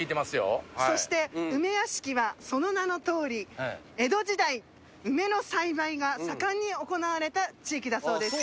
そして梅屋敷はその名のとおり江戸時代梅の栽培が盛んに行われた地域だそうです。